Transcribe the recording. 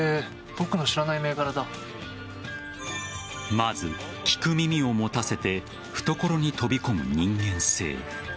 まず、聞く耳を持たせて懐に飛び込む人間性。